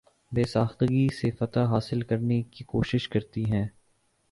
بے ساختگی سے فتح حاصل کرنے کی کوشش کرتی ہیں